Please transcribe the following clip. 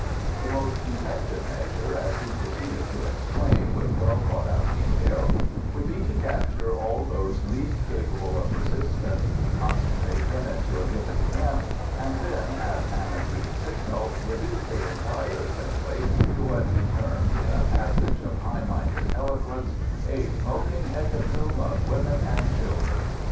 The most effective measure, as he proceeded to explain with well thought out detail, would be to capture all those least capable of resistance, concentrate them into a given camp, and then at an agreed signal reduce the entire assembly to what he termed, in a passage of high minded eloquence, "a smoking hecatomb of women and children."